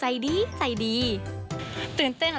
ชอบโมโหใส่คุณนิกเลยนะครับ